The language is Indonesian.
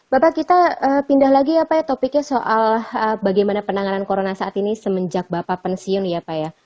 bapak kita pindah lagi ya pak ya topiknya soal bagaimana penanganan corona saat ini semenjak bapak pensiun ya pak ya